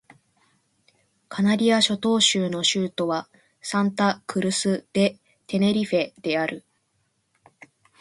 カナリア諸島州の州都はサンタ・クルス・デ・テネリフェである